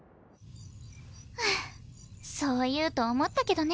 ハァそう言うと思ったけどね。